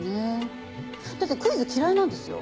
だってクイズ嫌いなんですよ。